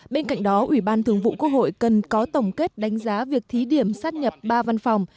bên cạnh đó ủy ban thường vụ quốc hội cần có tổng kết đánh giá việc thí điểm sát nhập ba văn phòng